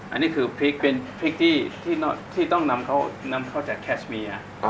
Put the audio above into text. อันนี้คือพริกเป็นพริกที่ต้องนำเขานำเข้าจากแคชเมีย